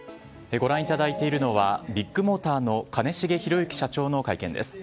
ご覧いただいているのは、ビッグモーターの兼重宏行社長の会見です。